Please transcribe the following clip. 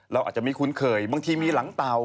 เราอาจจะไม่คุ้นเคยบางทีมีหลังเต่า